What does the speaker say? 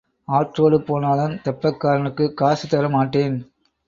ஆற்றோடு போனாலும் தெப்பக்காரனுக்குக் காசு தர மாட்டேன்.